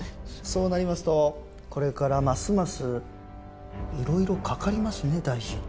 そうなりますとこれからますますいろいろかかりますね大臣。